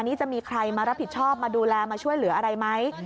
นี่จะมีใครมารับผิดชอบมาดูแลมาช่วยเหลืออะไรไหม